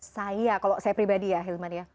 saya kalau saya pribadi ya hilman ya